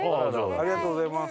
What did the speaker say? ありがとうございます。